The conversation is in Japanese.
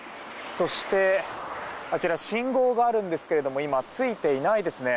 そして、あちら信号があるんですけども今、ついていないですね。